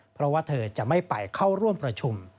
เพราะว่าเธอจะไม่ไปเข้าร่วมประชุม